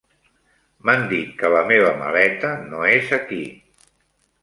M'han dit que la meva maleta no és aquí.